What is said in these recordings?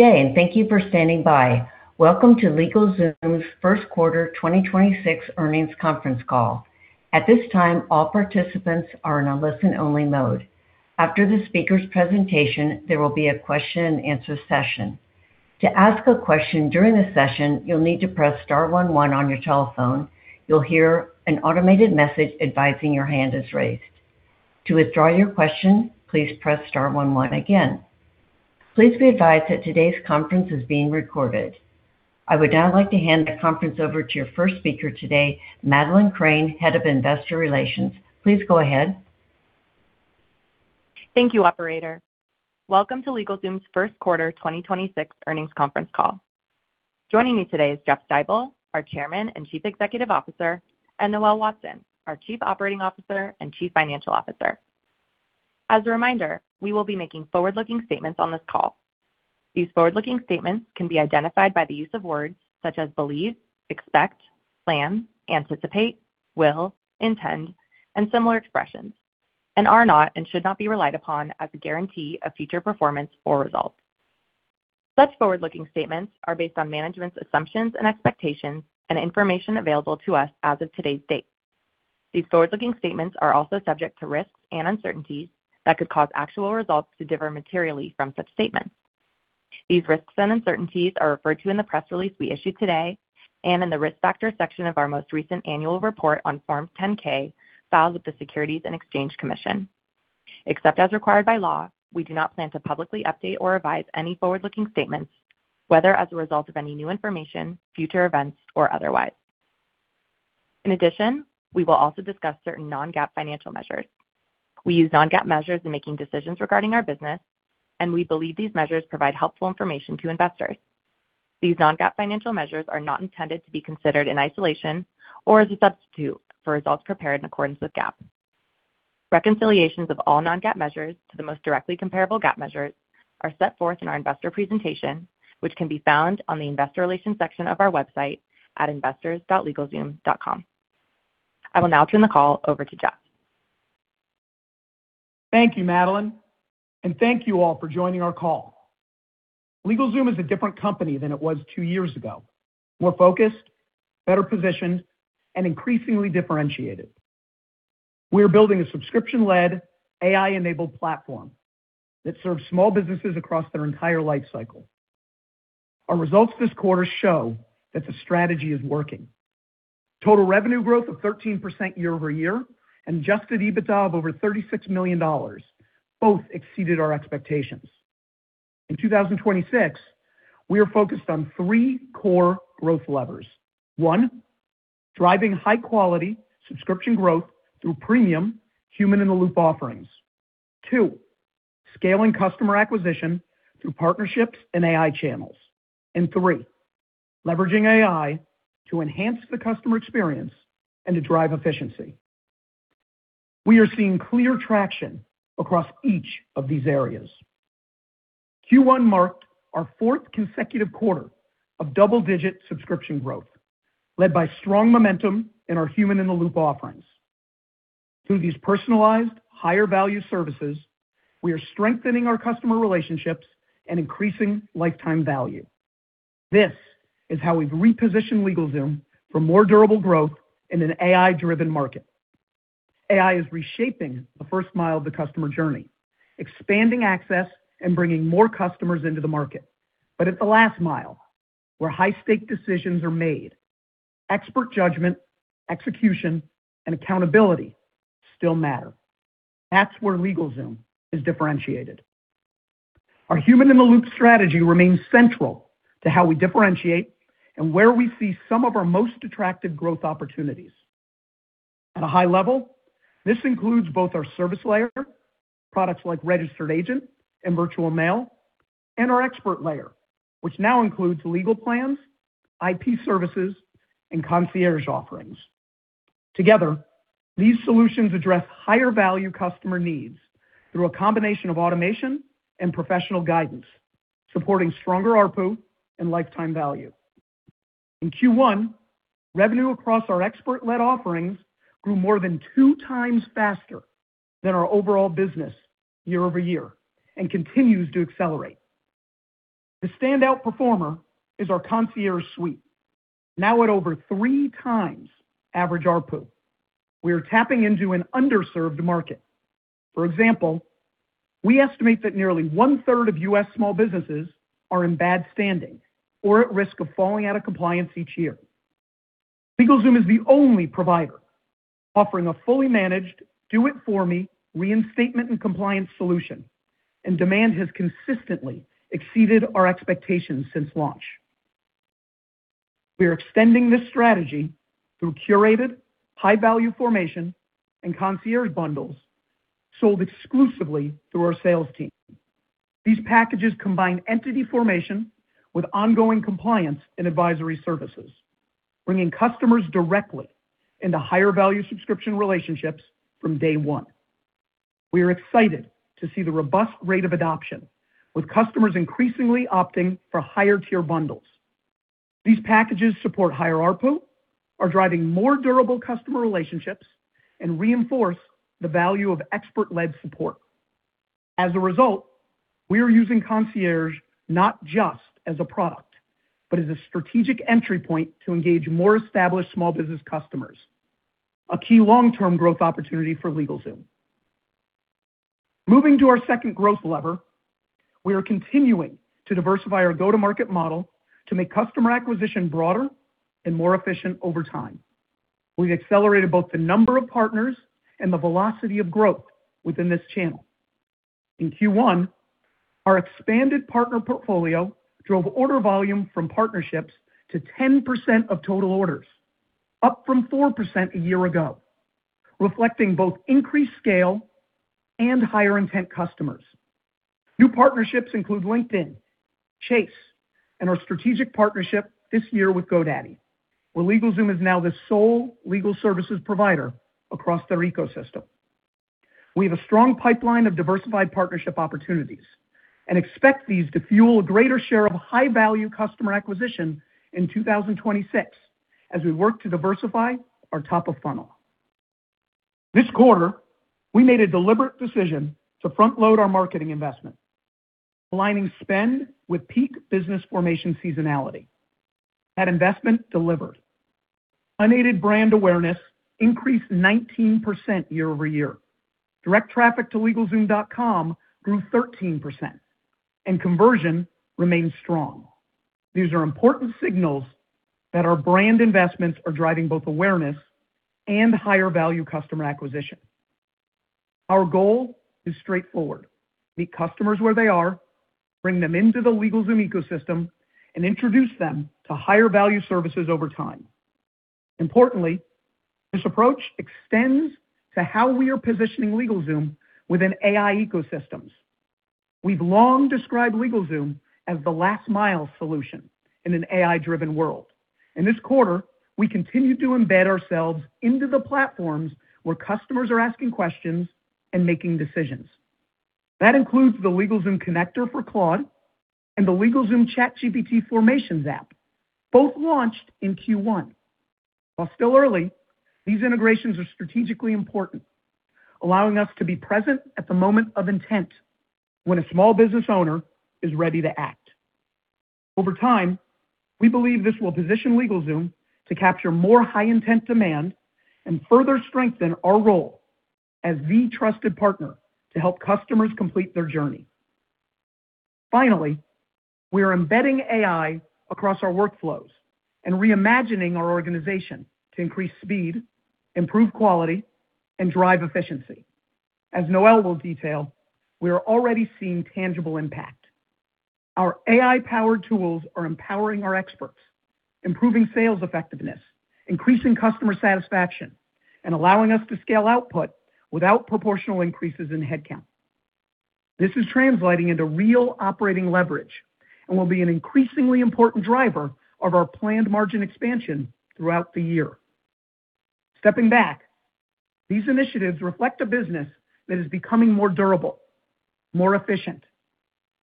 Good day, and thank you for standing by. Welcome to LegalZoom's first quarter 2026 earnings conference call. At this time, all participants are in a listen-only mode. After the speaker's presentation, there will be a question and answer session. To ask a question during the session, you'll need to press star one one on your telephone. You'll hear an automated message advising your hand is raised. To withdraw your question, please press star one one again. Please be advised that today's conference is being recorded. I would now like to hand the conference over to your first speaker today, Madeleine Crane, Head of Investor Relations. Please go ahead. Thank you, operator. Welcome to LegalZoom's first quarter 2026 earnings conference call. Joining me today is Jeff Stibel, our Chairman and Chief Executive Officer, and Noel Watson, our Chief Operating Officer and Chief Financial Officer. As a reminder, we will be making forward-looking statements on this call. These forward-looking statements can be identified by the use of words such as believe, expect, plan, anticipate, will, intend, and similar expressions, and are not and should not be relied upon as a guarantee of future performance or results. Such forward-looking statements are based on management's assumptions and expectations and information available to us as of today's date. These forward-looking statements are also subject to risks and uncertainties that could cause actual results to differ materially from such statements. These risks and uncertainties are referred to in the press release we issued today and in the Risk Factors section of our most recent annual report on Form 10-K filed with the Securities and Exchange Commission. Except as required by law, we do not plan to publicly update or revise any forward-looking statements, whether as a result of any new information, future events, or otherwise. In addition, we will also discuss certain non-GAAP financial measures. We use non-GAAP measures in making decisions regarding our business, and we believe these measures provide helpful information to investors. These non-GAAP financial measures are not intended to be considered in isolation or as a substitute for results prepared in accordance with GAAP. Reconciliations of all non-GAAP measures to the most directly comparable GAAP measures are set forth in our investor presentation, which can be found on the Investor Relations section of our website at investors.legalzoom.com. I will now turn the call over to Jeff. Thank you, Madeleine, and thank you all for joining our call. LegalZoom is a different company than it was two years ago. We're focused, better positioned, and increasingly differentiated. We are building a subscription-led, AI-enabled platform that serves small businesses across their entire life cycle. Our results this quarter show that the strategy is working. Total revenue growth of 13% year-over-year and adjusted EBITDA of over $36 million both exceeded our expectations. In 2026, we are focused on three core growth levers. One, driving high-quality subscription growth through premium human-in-the-loop offerings. Two, scaling customer acquisition through partnerships and AI channels. And three, leveraging AI to enhance the customer experience and to drive efficiency. We are seeing clear traction across each of these areas. Q1 marked our fourth consecutive quarter of double-digit subscription growth, led by strong momentum in our human-in-the-loop offerings. Through these personalized, higher-value services, we are strengthening our customer relationships and increasing lifetime value. This is how we've repositioned LegalZoom for more durable growth in an AI-driven market. AI is reshaping the first mile of the customer journey, expanding access and bringing more customers into the market. But at the last mile, where high-stake decisions are made, expert judgment, execution, and accountability still matter. That's where LegalZoom is differentiated. Our human-in-the-loop strategy remains central to how we differentiate and where we see some of our most attractive growth opportunities. At a high level, this includes both our service layer, products like registered agent and virtual mail, and our expert layer, which now includes legal plans, IP services, and Concierge Suite. Together, these solutions address higher-value customer needs through a combination of automation and professional guidance, supporting stronger ARPU and lifetime value. In Q1, revenue across our expert-led offerings grew more than two times faster than our overall business year-over-year and continues to accelerate. The standout performer is our Concierge Suite, now at over three times average ARPU. We are tapping into an underserved market. For example, we estimate that nearly 1/3 of U.S. small businesses are in bad standing or at risk of falling out of compliance each year. LegalZoom is the only provider offering a fully managed, do-it-for-me, reinstatement and compliance solution. Demand has consistently exceeded our expectations since launch. We are extending this strategy through curated high-value formation and concierge bundles sold exclusively through our sales team. These packages combine entity formation with ongoing compliance and advisory services, bringing customers directly into higher-value subscription relationships from day one. We are excited to see the robust rate of adoption, with customers increasingly opting for higher-tier bundles. These packages support higher ARPU, are driving more durable customer relationships, and reinforce the value of expert-led support. As a result, we are using Concierge not just as a product, but as a strategic entry point to engage more established small business customers, a key long-term growth opportunity for LegalZoom. Moving to our second growth lever, we are continuing to diversify our go-to-market model to make customer acquisition broader and more efficient over time. We've accelerated both the number of partners and the velocity of growth within this channel. In Q1, our expanded partner portfolio drove order volume from partnerships to 10% of total orders, up from 4% a year ago, reflecting both increased scale and higher intent customers. New partnerships include LinkedIn, Chase, and our strategic partnership this year with GoDaddy, where LegalZoom is now the sole legal services provider across their ecosystem. We have a strong pipeline of diversified partnership opportunities and expect these to fuel a greater share of high-value customer acquisition in 2026 as we work to diversify our top of funnel. This quarter, we made a deliberate decision to front-load our marketing investment, aligning spend with peak business formation seasonality. That investment delivered. Unaided brand awareness increased 19% year-over-year. Direct traffic to legalzoom.com grew 13%, and conversion remains strong. These are important signals that our brand investments are driving both awareness and higher value customer acquisition. Our goal is straightforward: meet customers where they are, bring them into the LegalZoom ecosystem, and introduce them to higher value services over time. Importantly, this approach extends to how we are positioning LegalZoom within AI ecosystems. We've long described LegalZoom as the last mile solution in an AI-driven world. In this quarter, we continued to embed ourselves into the platforms where customers are asking questions and making decisions. That includes the LegalZoom connector for Claude and the LegalZoom ChatGPT formations app, both launched in Q1. While still early, these integrations are strategically important, allowing us to be present at the moment of intent when a small business owner is ready to act. Over time, we believe this will position LegalZoom to capture more high intent demand and further strengthen our role as the trusted partner to help customers complete their journey. Finally, we are embedding AI across our workflows and reimagining our organization to increase speed, improve quality, and drive efficiency. As Noel will detail, we are already seeing tangible impact. Our AI-powered tools are empowering our experts, improving sales effectiveness, increasing customer satisfaction, and allowing us to scale output without proportional increases in headcount. This is translating into real operating leverage and will be an increasingly important driver of our planned margin expansion throughout the year. Stepping back, these initiatives reflect a business that is becoming more durable, more efficient,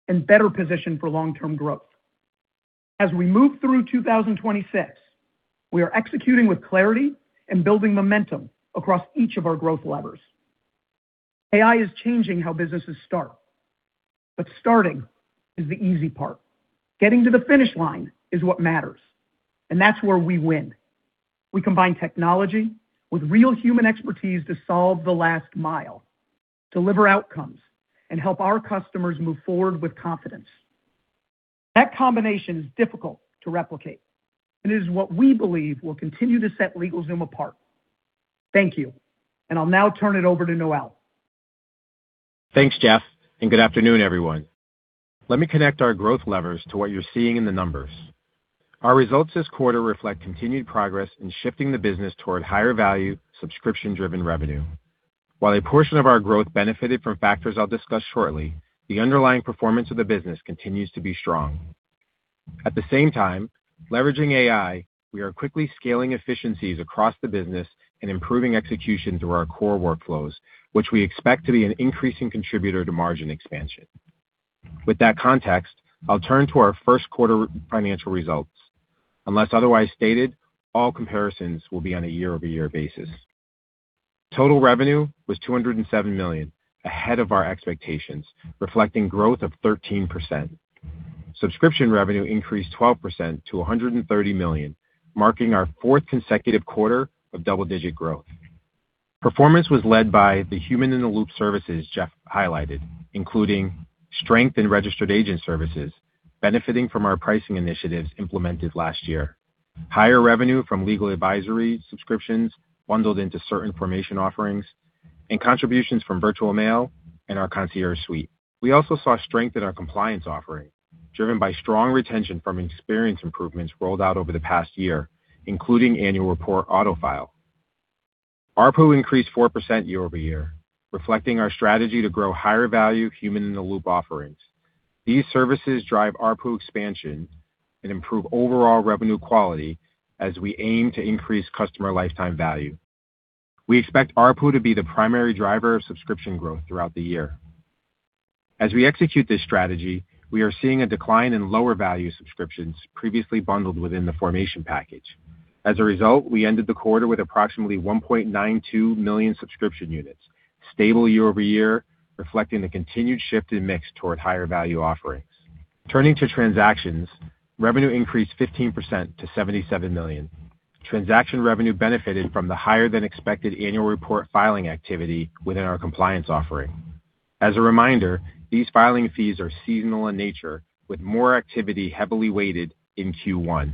and better positioned for long-term growth. As we move through 2026, we are executing with clarity and building momentum across each of our growth levers. AI is changing how businesses start, but starting is the easy part. Getting to the finish line is what matters, and that's where we win. We combine technology with real human expertise to solve the last mile, deliver outcomes, and help our customers move forward with confidence. That combination is difficult to replicate, and it is what we believe will continue to set LegalZoom apart. Thank you. I'll now turn it over to Noel. Thanks, Jeff. Good afternoon, everyone. Let me connect our growth levers to what you're seeing in the numbers. Our results this quarter reflect continued progress in shifting the business toward higher value, subscription-driven revenue. While a portion of our growth benefited from factors I'll discuss shortly, the underlying performance of the business continues to be strong. At the same time, leveraging AI, we are quickly scaling efficiencies across the business and improving execution through our core workflows, which we expect to be an increasing contributor to margin expansion. With that context, I'll turn to our first quarter financial results. Unless otherwise stated, all comparisons will be on a year-over-year basis. Total revenue was $207 million, ahead of our expectations, reflecting growth of 13%. Subscription revenue increased 12% to $130 million, marking our fourth consecutive quarter of double-digit growth. Performance was led by the human-in-the-loop services Jeff highlighted, including strength in registered agent services, benefiting from our pricing initiatives implemented last year. Higher revenue from legal plans bundled into certain formation offerings and contributions from virtual mail and our Concierge Suite. We also saw strength in our compliance offering, driven by strong retention from experience improvements rolled out over the past year, including Annual Report Auto-filing. ARPU increased 4% year-over-year, reflecting our strategy to grow higher-value human-in-the-loop offerings. These services drive ARPU expansion and improve overall revenue quality as we aim to increase customer lifetime value. We expect ARPU to be the primary driver of subscription growth throughout the year. As we execute this strategy, we are seeing a decline in lower-value subscriptions previously bundled within the formation package. As a result, we ended the quarter with approximately 1.92 million subscription units, stable year-over-year, reflecting the continued shift in mix toward higher value offerings. Turning to transactions, revenue increased 15% to $77 million. Transaction revenue benefited from the higher than expected annual report filing activity within our compliance offering. As a reminder, these filing fees are seasonal in nature, with more activity heavily weighted in Q1.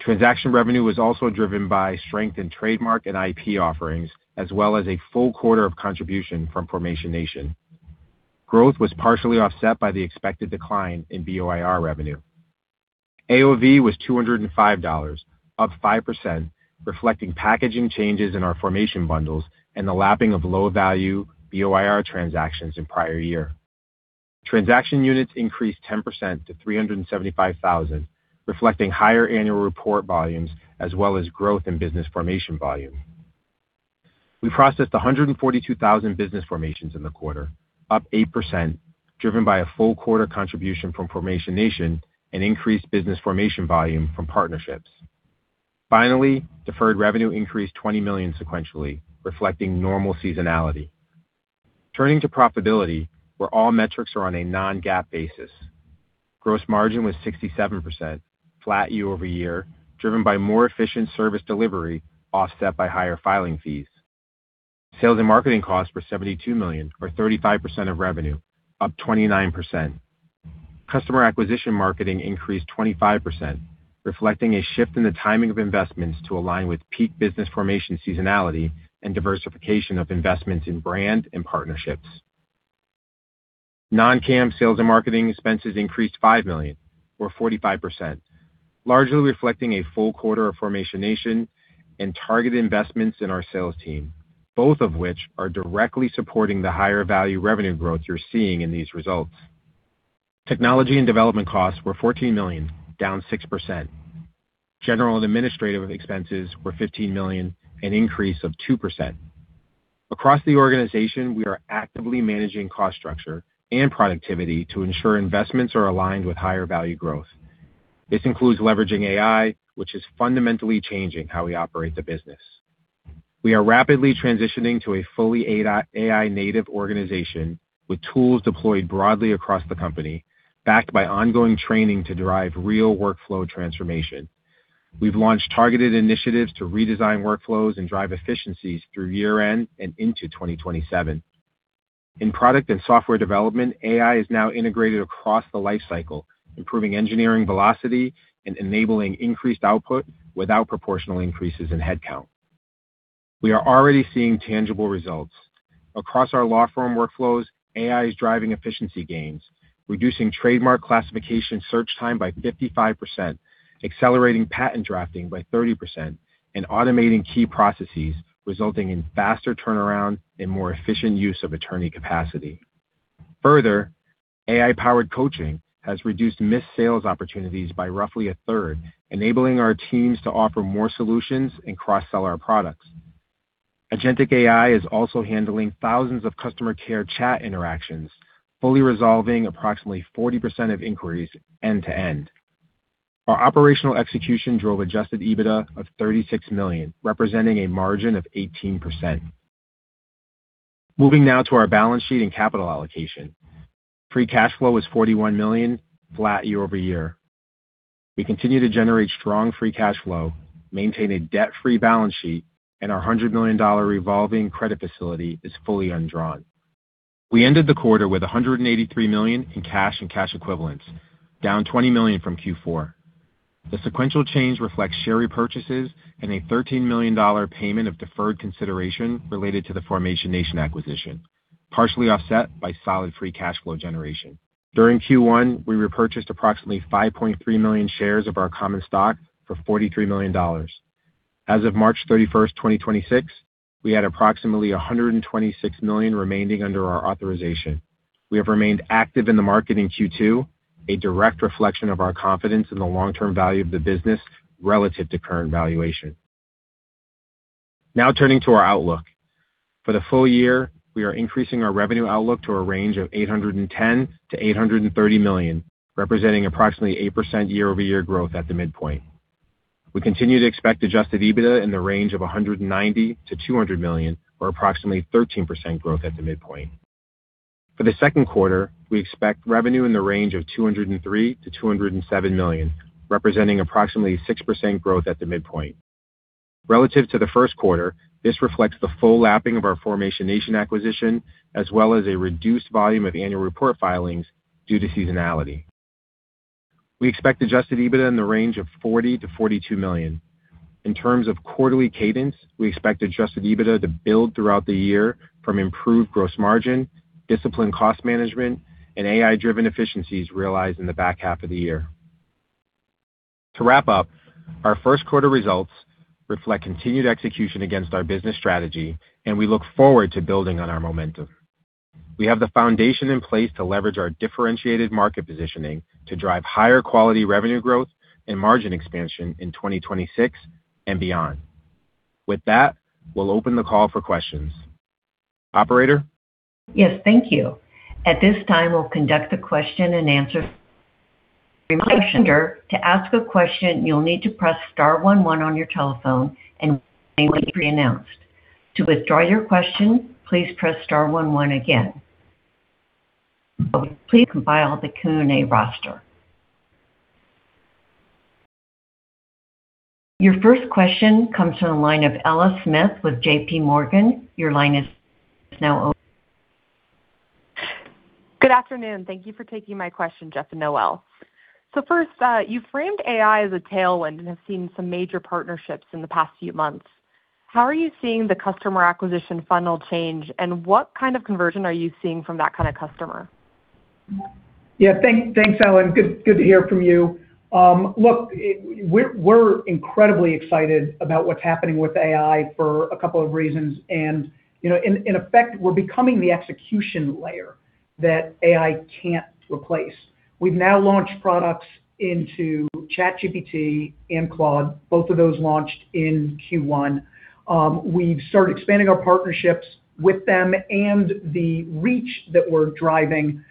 Transaction revenue was also driven by strength in trademark and IP offerings as well as a full quarter of contribution from Formation Nation. Growth was partially offset by the expected decline in BOIR revenue. AOV was $205, up 5%, reflecting packaging changes in our formation bundles and the lapping of low value BOIR transactions in prior year. Transaction units increased 10% to 375,000, reflecting higher annual report volumes as well as growth in business formation volume. We processed 142,000 business formations in the quarter, up 8%, driven by a full quarter contribution from Formation Nation and increased business formation volume from partnerships. Finally, deferred revenue increased $20 million sequentially, reflecting normal seasonality. Turning to profitability, where all metrics are on a non-GAAP basis. Gross margin was 67%, flat year-over-year, driven by more efficient service delivery offset by higher filing fees. Sales and marketing costs were $72 million, or 35% of revenue, up 29%. Customer acquisition marketing increased 25%, reflecting a shift in the timing of investments to align with peak business formation seasonality and diversification of investments in brand and partnerships. Non-CAM sales and marketing expenses increased $5 million, or 45%, largely reflecting a full quarter of Formation Nation and targeted investments in our sales team, both of which are directly supporting the higher value revenue growth you're seeing in these results. Technology and development costs were $14 million, down 6%. General and administrative expenses were $15 million, an increase of 2%. Across the organization, we are actively managing cost structure and productivity to ensure investments are aligned with higher value growth. This includes leveraging AI, which is fundamentally changing how we operate the business. We are rapidly transitioning to a fully AI-native organization with tools deployed broadly across the company, backed by ongoing training to drive real workflow transformation. We've launched targeted initiatives to redesign workflows and drive efficiencies through year-end and into 2027. In product and software development, AI is now integrated across the lifecycle, improving engineering velocity and enabling increased output without proportional increases in headcount. We are already seeing tangible results. Across our law firm workflows, AI is driving efficiency gains, reducing trademark classification search time by 55%, accelerating patent drafting by 30%, and automating key processes, resulting in faster turnaround and more efficient use of attorney capacity. Further, AI-powered coaching has reduced missed sales opportunities by roughly a third, enabling our teams to offer more solutions and cross-sell our products. Agentic AI is also handling thousands of customer care chat interactions, fully resolving approximately 40% of inquiries end-to-end. Our operational execution drove adjusted EBITDA of $36 million, representing a margin of 18%. Moving now to our balance sheet and capital allocation. Free cash flow was $41 million, flat year-over-year. We continue to generate strong free cash flow, maintain a debt-free balance sheet, and our $100 million revolving credit facility is fully undrawn. We ended the quarter with $183 million in cash and cash equivalents, down $20 million from Q four. The sequential change reflects share repurchases and a $13 million payment of deferred consideration related to the Formation Nation acquisition, partially offset by solid free cash flow generation. During Q1, we repurchased approximately 5.3 million shares of our common stock for $43 million. As of March 31, 2026, we had approximately $126 million remaining under our authorization. We have remained active in the market in Q two, a direct reflection of our confidence in the long-term value of the business relative to current valuation. Now turning to our outlook. For the full year, we are increasing our revenue outlook to a range of $810 million-$830 million, representing approximately 8% year-over-year growth at the midpoint. We continue to expect adjusted EBITDA in the range of $190 million-$200 million, or approximately 13% growth at the midpoint. For the second quarter, we expect revenue in the range of $203 million-$207 million, representing approximately 6% growth at the midpoint. Relative to the first quarter, this reflects the full lapping of our Formation Nation acquisition as well as a reduced volume of annual report filings due to seasonality. We expect adjusted EBITDA in the range of $40 million-$42 million. In terms of quarterly cadence, we expect adjusted EBITDA to build throughout the year from improved gross margin, disciplined cost management, and AI-driven efficiencies realized in the back half of the year. To wrap up, our first quarter results reflect continued execution against our business strategy, and we look forward to building on our momentum. We have the foundation in place to leverage our differentiated market positioning to drive higher quality revenue growth and margin expansion in 2026 and beyond. With that, we'll open the call for questions. Operator? Yes, thank you. At this time, we'll conduct the question and answer. To ask a question, you'll need to press star one one on your telephone and wait to be announced. To withdraw your question, please press star one one again. Please compile the Q&A roster. Your first question comes from the line of Ella Smith with JPMorgan. Your line is now open. Good afternoon. Thank you for taking my question, Jeff and Noel. First, you framed AI as a tailwind and have seen some major partnerships in the past few months. How are you seeing the customer acquisition funnel change, and what kind of conversion are you seeing from that kind of customer? Yeah. Thanks, Ella. Good to hear from you. Look, we're incredibly excited about what's happening with AI for a couple of reasons. You know, in effect, we're becoming the execution layer that AI can't replace. We've now launched products into ChatGPT and Claude, both of those launched in Q1. We've started expanding our partnerships with them and the reach that we're driving to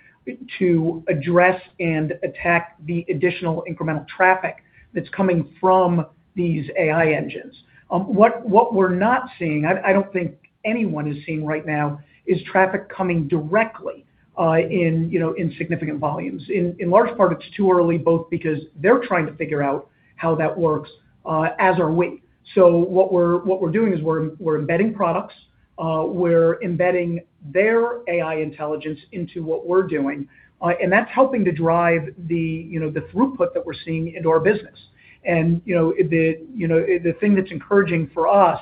address and attack the additional incremental traffic that's coming from these AI engines. What we're not seeing, I don't think anyone is seeing right now, is traffic coming directly, you know, in significant volumes. In large part, it's too early, both because they're trying to figure out how that works, as are we. What we're doing is we're embedding products, we're embedding their AI intelligence into what we're doing, and that's helping to drive, you know, the throughput that we're seeing into our business. You know, the thing that's encouraging for us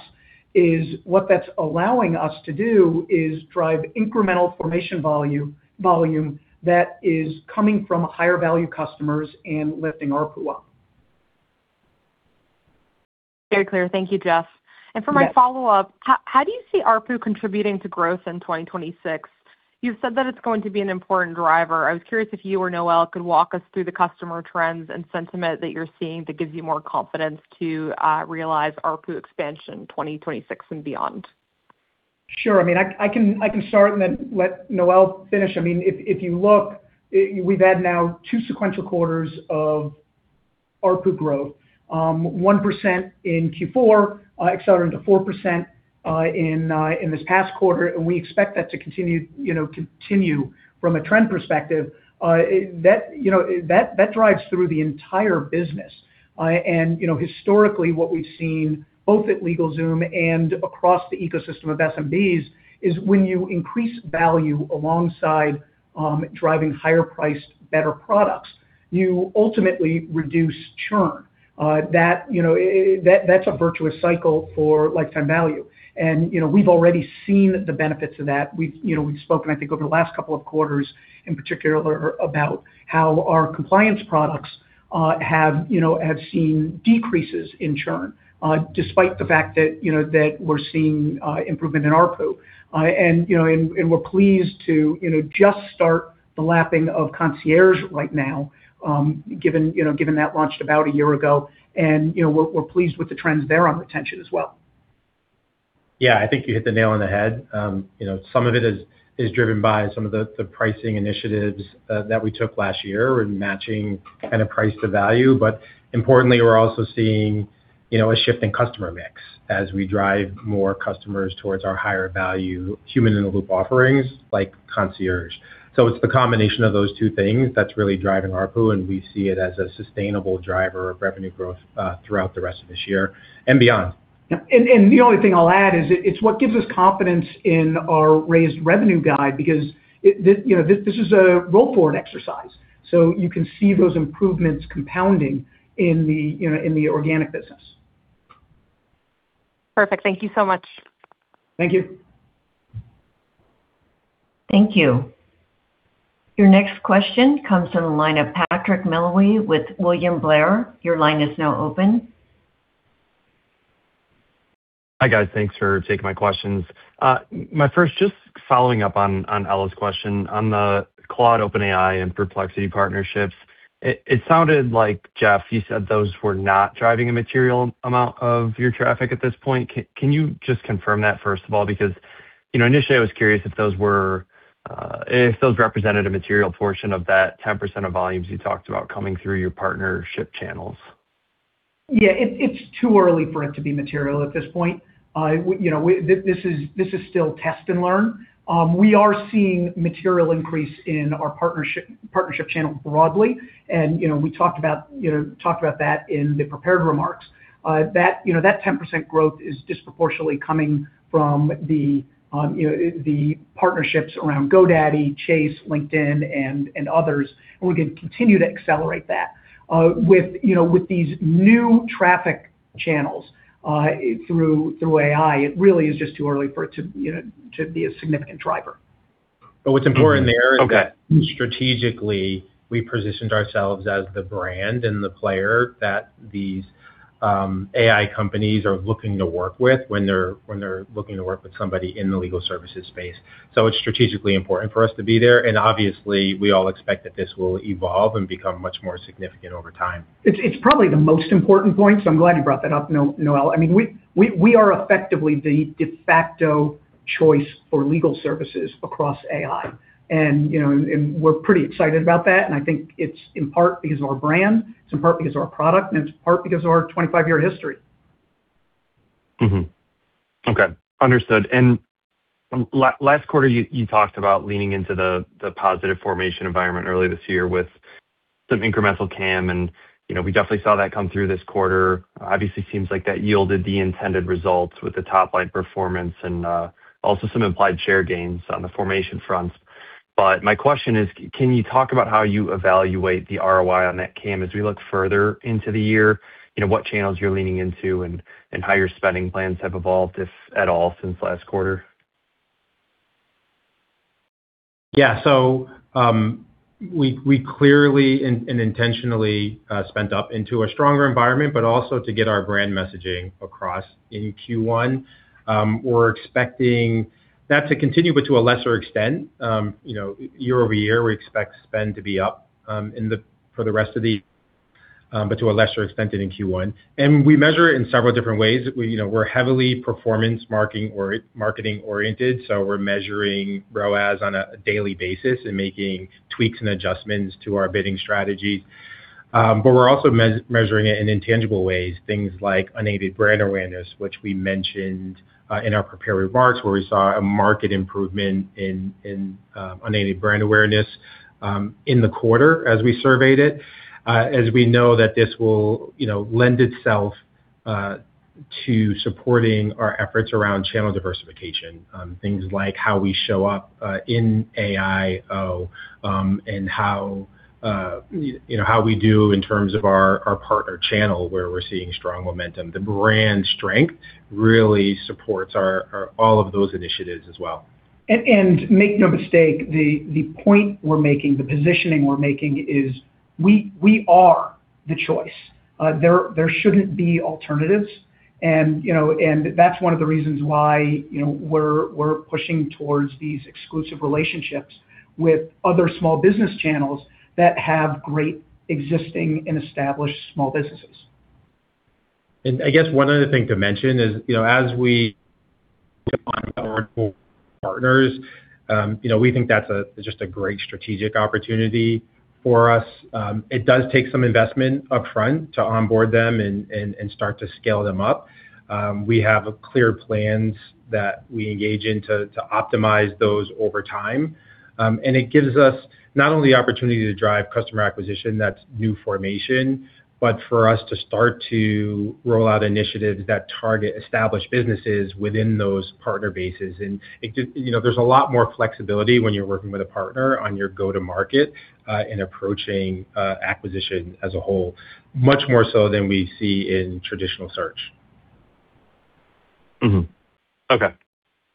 is what that's allowing us to do is drive incremental formation volume that is coming from higher value customers and lifting ARPU up. Very clear. Thank you, Jeff. Yes. For my follow-up, how do you see ARPU contributing to growth in 2026? You've said that it's going to be an important driver. I was curious if you or Noel could walk us through the customer trends and sentiment that you're seeing that gives you more confidence to realize ARPU expansion 2026 and beyond. Sure. I mean, I can start and then let Noel finish. I mean, if you look, we've had now two sequential quarters of ARPU growth. 1% in Q4 accelerated to 4% in this past quarter, and we expect that to continue from a trend perspective. You know, that drives through the entire business. You know, historically, what we've seen both at LegalZoom and across the ecosystem of SMBs is when you increase value alongside driving higher priced better products, you ultimately reduce churn. You know, that's a virtuous cycle for lifetime value. You know, we've already seen the benefits of that. We've, you know, we've spoken, I think, over the last couple of quarters in particular about how our compliance products have, you know, have seen decreases in churn despite the fact that, you know, that we're seeing improvement in ARPU. We're pleased to, you know, just start the lapping of Concierge right now, given, you know, given that launched about one year ago. We're pleased with the trends there on retention as well. Yeah. I think you hit the nail on the head. You know, some of it is driven by some of the pricing initiatives that we took last year. We're matching kinda price to value. But importantly, we're also seeing, you know, a shift in customer mix as we drive more customers towards our higher value human-in-the-loop offerings like Concierge. So it's the combination of those two things that's really driving ARPU, and we see it as a sustainable driver of revenue growth throughout the rest of this year and beyond. Yeah. The only thing I'll add is it's what gives us confidence in our raised revenue guide because this, you know, this is a roll forward exercise. You can see those improvements compounding in the, you know, in the organic business. Perfect. Thank you so much. Thank you. Thank you. Your next question comes from the line of Patrick McIlwee with William Blair. Your line is now open. Hi, guys. Thanks for taking my questions. My first, just following up on Ella's question on the Claude, OpenAI, and Perplexity partnerships. It sounded like, Jeff, you said those were not driving a material amount of your traffic at this point. Can you just confirm that first of all? Because, you know, initially, I was curious if those represented a material portion of that 10% of volumes you talked about coming through your partnership channels. Yeah. It's too early for it to be material at this point. You know, this is still test and learn. We are seeing material increase in our partnership channel broadly, and you know, we talked about that in the prepared remarks. You know, that 10% growth is disproportionately coming from the partnerships around GoDaddy, Chase, LinkedIn, and others, and we're gonna continue to accelerate that. You know, with these new traffic channels through AI, it really is just too early for it to be a significant driver. What's important there is that strategically, we positioned ourselves as the brand and the player that these AI companies are looking to work with when they're looking to work with somebody in the legal services space. It's strategically important for us to be there, and obviously, we all expect that this will evolve and become much more significant over time. It's probably the most important point, so I'm glad you brought that up, Noel. I mean, we are effectively the de facto choice for legal services across AI. You know, we're pretty excited about that, and I think it's in part because of our brand, it's in part because of our product, and it's in part because of our 25-year history. Okay. Understood. Last quarter you talked about leaning into the positive formation environment early this year with some incremental CAM and, you know, we definitely saw that come through this quarter. Obviously seems like that yielded the intended results with the top line performance and also some implied share gains on the formation front. My question is, can you talk about how you evaluate the ROI on that CAM as we look further into the year? You know, what channels you're leaning into and how your spending plans have evolved, if at all, since last quarter? Yeah. We clearly and intentionally spent up into a stronger environment, but also to get our brand messaging across in Q1. We're expecting that to continue, but to a lesser extent. You know, year over year, we expect spend to be up for the rest of the year, but to a lesser extent than in Q1. We measure it in several different ways. You know, we're heavily performance marketing oriented, so we're measuring ROAS on a daily basis and making tweaks and adjustments to our bidding strategies. We're also measuring it in intangible ways, things like unaided brand awareness, which we mentioned in our prepared remarks, where we saw a marked improvement in unaided brand awareness in the quarter as we surveyed it. As we know that this will, you know, lend itself to supporting our efforts around channel diversification. Things like how we show up in AIO and how, you know, how we do in terms of our partner channel, where we're seeing strong momentum. The brand strength really supports our all of those initiatives as well. Make no mistake, the point we're making, the positioning we're making is we are the choice. There shouldn't be alternatives. You know, that's one of the reasons why, you know, we're pushing towards these exclusive relationships with other small business channels that have great existing and established small businesses. I guess one other thing to mention is, you know, as our partners, you know, we think that's just a great strategic opportunity for us. It does take some investment upfront to onboard them and start to scale them up. We have clear plans that we engage in to optimize those over time. It gives us not only the opportunity to drive customer acquisition that's new formation, but for us to start to roll out initiatives that target established businesses within those partner bases. You know, there's a lot more flexibility when you're working with a partner on your go-to-market in approaching acquisition as a whole, much more so than we see in traditional search.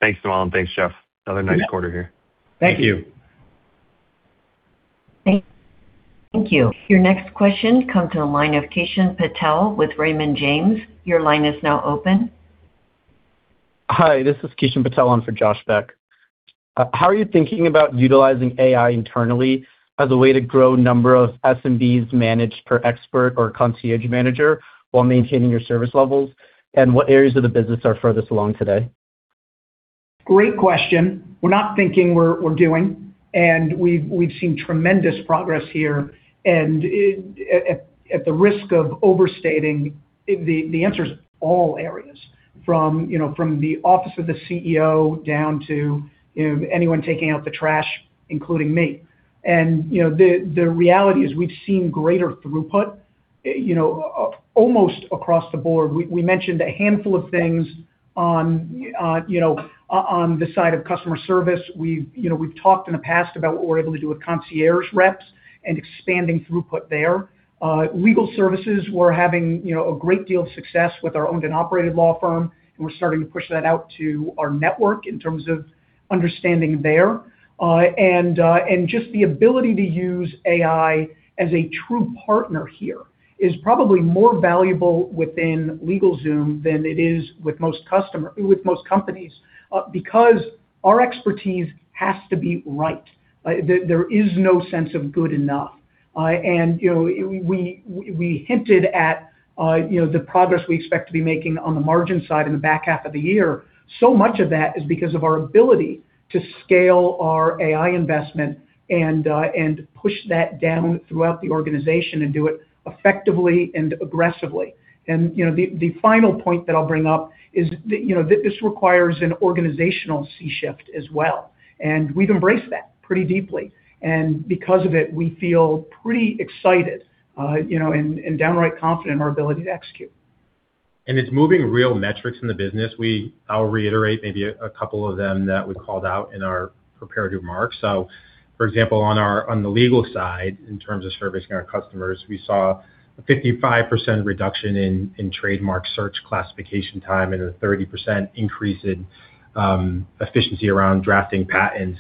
Thanks, Noel, and thanks, Jeff. Another nice quarter here. Thank you. Thank you. Your next question comes to the line of Kishan Patel with Raymond James. Your line is now open. Hi, this is Kishan Patel. I'm for Josh Beck. How are you thinking about utilizing AI internally as a way to grow number of SMBs managed per expert or concierge manager while maintaining your service levels? What areas of the business are furthest along today? Great question. We're not thinking, we're doing, and we've seen tremendous progress here. At the risk of overstating the answer is all areas from, you know, from the office of the CEO down to, you know, anyone taking out the trash, including me. You know, the reality is we've seen greater throughput, you know, almost across the board. We mentioned a handful of things on, you know, on the side of customer service. We've talked in the past about what we're able to do with concierge reps and expanding throughput there. Legal services, we're having, you know, a great deal of success with our owned and operated law firm, and we're starting to push that out to our network in terms of understanding there. Just the ability to use AI as a true partner here is probably more valuable within LegalZoom than it is with most customers with most companies, because our expertise has to be right. There is no sense of good enough. You know, we hinted at, you know, the progress we expect to be making on the margin side in the back half of the year. Much of that is because of our ability to scale our AI investment and push that down throughout the organization and do it effectively and aggressively. You know, the final point that I'll bring up is you know, this requires an organizational sea change as well, and we've embraced that pretty deeply. Because of it, we feel pretty excited, you know, and downright confident in our ability to execute. It's moving real metrics in the business. I'll reiterate maybe a couple of them that we called out in our prepared remarks. For example, on the legal side, in terms of servicing our customers, we saw a 55% reduction in trademark search classification time and a 30% increase in efficiency around drafting patents.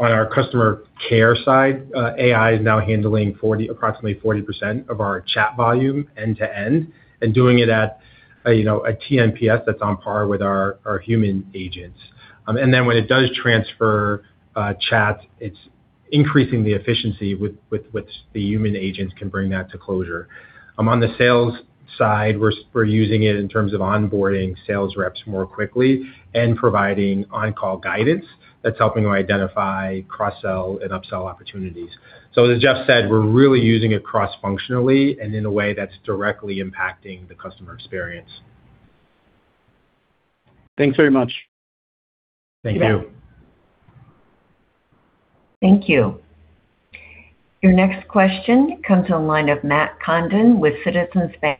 On our customer care side, AI is now handling 40, approximately 40% of our chat volume end-to-end and doing it at a, you know, a tNPS that's on par with our human agents. When it does transfer chats, it's increasing the efficiency with which the human agents can bring that to closure. On the sales side, we're using it in terms of onboarding sales reps more quickly and providing on-call guidance that's helping to identify cross-sell and upsell opportunities. As Jeff said, we're really using it cross-functionally and in a way that's directly impacting the customer experience. Thanks very much. Thank you. Yeah. Thank you. Your next question comes on the line of Matt Condon with Citizens Bank.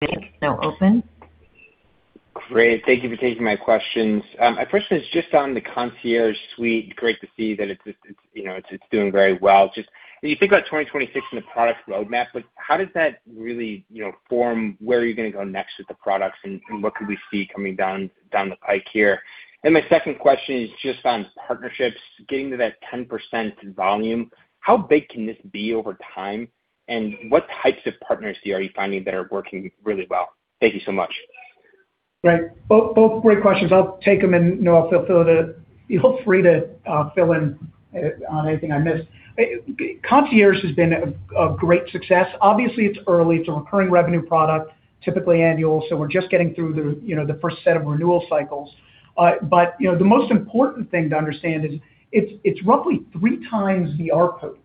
Your line is now open. Great. Thank you for taking my questions. My first one is just on the Concierge Suite. Great to see that it's, you know, doing very well. Just when you think about 2026 and the product roadmap, like how does that really, you know, form where you're gonna go next with the products and what could we see coming down the pike here? My second question is just on partnerships. Getting to that 10% in volume, how big can this be over time, and what types of partners are you finding that are working really well? Thank you so much. Right. Both great questions. I'll take them, and Noel, feel free to fill in on anything I miss. Concierge has been a great success. Obviously it's early. It's a recurring revenue product, typically annual, so we're just getting through the, you know, the first set of renewal cycles. But you know, the most important thing to understand is it's roughly three times the ARPU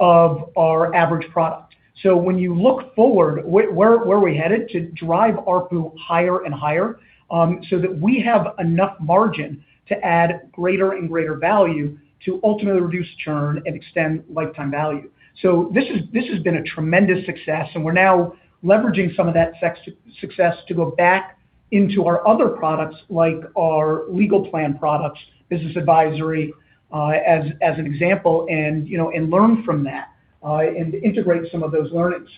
of our average product. When you look forward, where are we headed? To drive ARPU higher and higher, so that we have enough margin to add greater and greater value to ultimately reduce churn and extend lifetime value. This has been a tremendous success, and we're now leveraging some of that success to go back into our other products like our legal plan products, business advisory, as an example and, you know, and learn from that and integrate some of those learnings.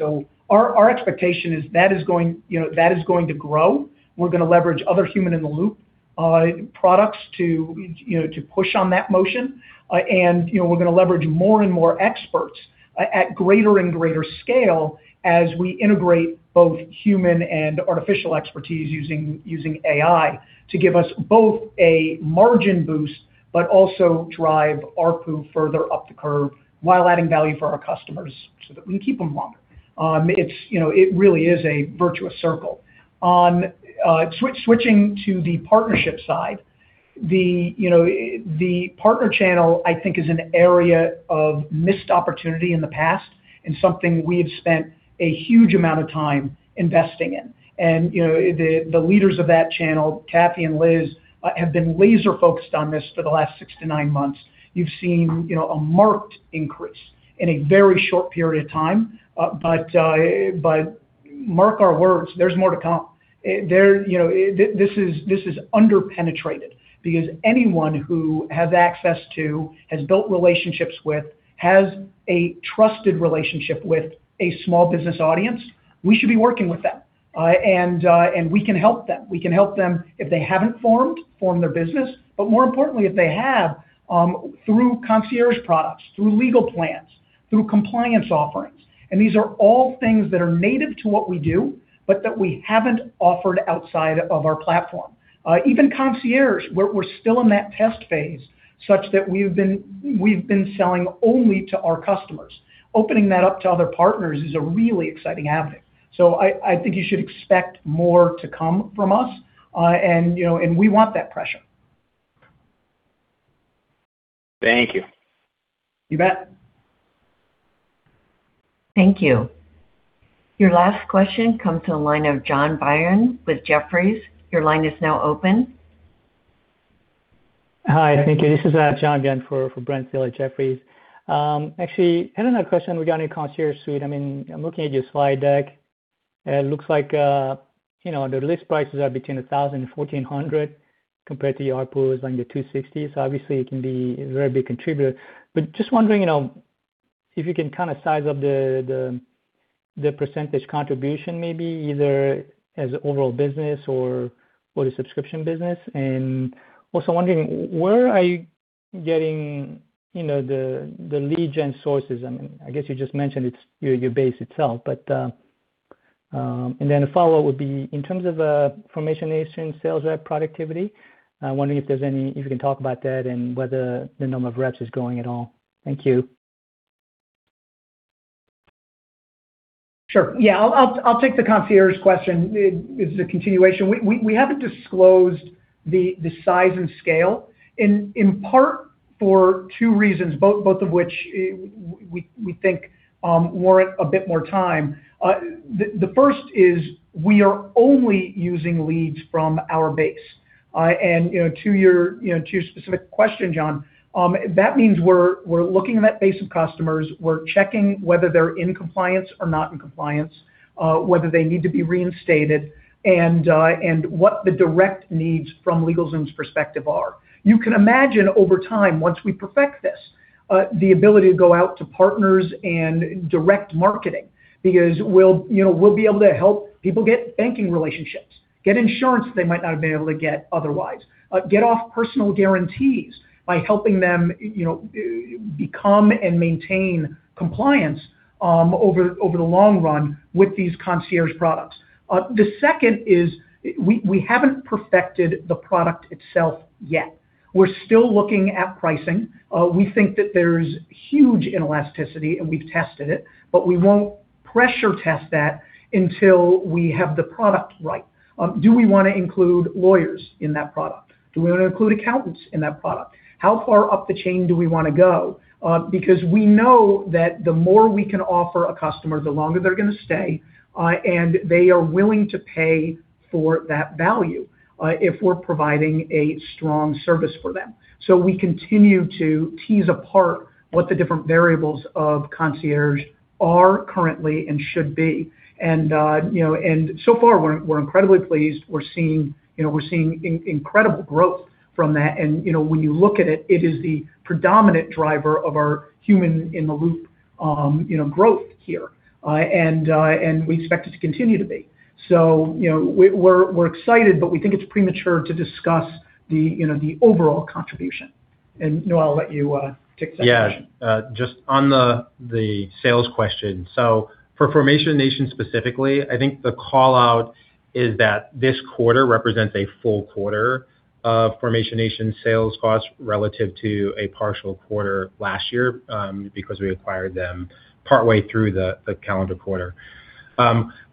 Our expectation is that is going, you know, that is going to grow. We're gonna leverage other human-in-the-loop products to, you know, to push on that motion. And, you know, we're gonna leverage more and more experts at greater and greater scale as we integrate both human and artificial expertise using AI to give us both a margin boost but also drive ARPU further up the curve while adding value for our customers so that we keep them longer. It's, you know, it really is a virtuous circle. Switching to the partnership side, you know, the partner channel I think is an area of missed opportunity in the past and something we have spent a huge amount of time investing in. You know, the leaders of that channel, Kathy and Liz, have been laser-focused on this for the last six to nine months. You've seen, you know, a marked increase in a very short period of time, mark our words, there's more to come. You know, this is under-penetrated because anyone who has access to, has built relationships with, has a trusted relationship with a small business audience, we should be working with them. We can help them. We can help them if they haven't formed, form their business. More importantly, if they have, through Concierge products, through legal plans, through compliance offerings, and these are all things that are native to what we do, but that we haven't offered outside of our platform. Even Concierge, we're still in that test phase such that we've been selling only to our customers. Opening that up to other partners is a really exciting avenue. I think you should expect more to come from us, and you know, and we want that pressure. Thank you. You bet. Thank you. Your last question comes to the line of John Byun with Jefferies. Your line is now open. Hi, thank you. This is John Byun for Brent Thill at Jefferies. Actually, another question regarding Concierge Suite. I mean, I'm looking at your slide deck, and it looks like, you know, the list prices are between $1,000 and $1,400 compared to your ARPU is on your $260, so obviously it can be a very big contributor. Just wondering, you know, if you can kind of size up the percentage contribution maybe either as overall business or for the subscription business. Also wondering where are you getting, you know, the lead gen sources? I mean, I guess you just mentioned it's your base itself, but, a follow-up would be in terms of Formation Nation sales rep productivity, wondering if you can talk about that and whether the number of reps is growing at all. Thank you. Sure. Yeah, I'll take the Concierge question. It is a continuation. We haven't disclosed the size and scale in part for two reasons, both of which we think warrant a bit more time. The first is we are only using leads from our base. You know, to your specific question, John, that means we're looking at that base of customers. We're checking whether they're in compliance or not in compliance, whether they need to be reinstated and what the direct needs from LegalZoom's perspective are. You can imagine over time, once we perfect this, the ability to go out to partners and direct marketing because we'll, you know, we'll be able to help people get banking relationships, get insurance they might not have been able to get otherwise, get off personal guarantees by helping them, you know, become and maintain compliance over the long run with these Concierge products. The second is we haven't perfected the product itself yet. We're still looking at pricing. We think that there's huge inelasticity, and we've tested it, but we won't pressure test that until we have the product right. Do we wanna include lawyers in that product? Do we wanna include accountants in that product? How far up the chain do we wanna go? Because we know that the more we can offer a customer, the longer they're gonna stay, and they are willing to pay for that value, if we're providing a strong service for them. We continue to tease apart what the different variables of Concierge are currently and should be. You know, so far we're incredibly pleased. We're seeing, you know, incredible growth from that. You know, when you look at it is the predominant driver of our human-in-the-loop, you know, growth here. We expect it to continue to be. You know, we're excited, but we think it's premature to discuss the, you know, the overall contribution. Noel, I'll let you take that question. Yeah. Just on the sales question. For Formation Nation specifically, I think the call-out is that this quarter represents a full quarter of Formation Nation sales costs relative to a partial quarter last year, because we acquired them partway through the calendar quarter.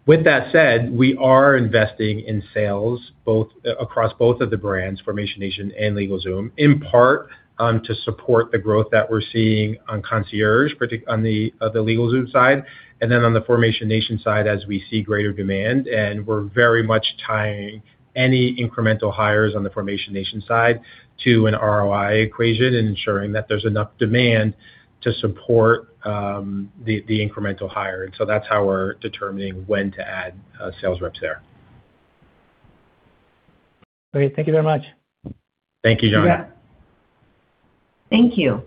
With that said, we are investing in sales both across both of the brands, Formation Nation and LegalZoom, in part to support the growth that we're seeing on Concierge, on the LegalZoom side, and then on the Formation Nation side as we see greater demand, and we're very much tying any incremental hires on the Formation Nation side to an ROI equation and ensuring that there's enough demand to support the incremental hire. That's how we're determining when to add sales reps there. Okay. Thank you very much. Thank you, John. You bet. Thank you.